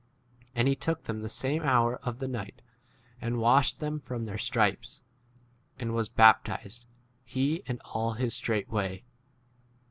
And he took them the same hour of the night and washed [them] from their stripes ; and was baptized, he and 34 all his straightway.